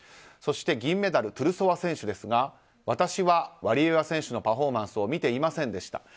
そして銀メダルトゥルソワ選手ですが私はワリエワ選手のパフォーマンスを見ていませんでした。